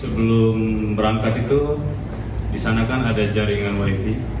sebelum berangkat itu di sana kan ada jaringan wifi